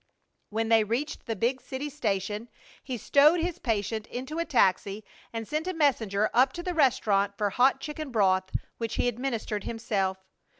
When they reached the big city station he stowed his patient into a taxi and sent a messenger up to the restaurant for hot chicken broth, which he administered himself.